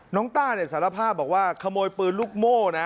ต้าเนี่ยสารภาพบอกว่าขโมยปืนลูกโม่นะ